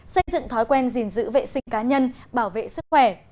xây dựng thói quen gìn giữ vệ sinh cá nhân bảo vệ sức khỏe